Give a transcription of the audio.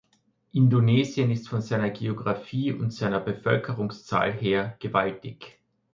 Indonesien ist von seiner Geographie und seiner Bevölkerungszahl her gewaltig.